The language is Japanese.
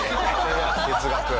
哲学。